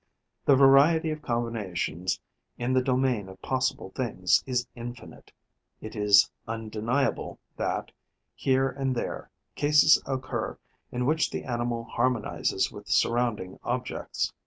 The variety of combinations in the domain of possible things is infinite. It is undeniable that, here and there, cases occur in which the animal harmonizes with surrounding objects.